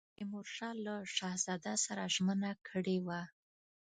تیمورشاه له شهزاده سره ژمنه کړې وه.